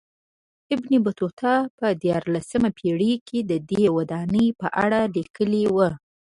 ابن بطوطه په دیارلسمه پېړۍ کې ددې ودانۍ په اړه لیکلي و.